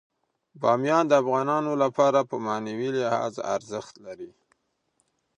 بامیان د افغانانو لپاره په معنوي لحاظ ارزښت لري.